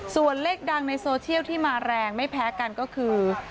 ส่วนเลขดังในโซเชียลที่มาแรงไม่แพ้กันก็คือ